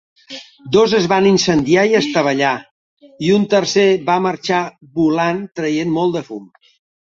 Dos es van incendiar i estavellar, i un tercer va marxar volant traient molt de fum.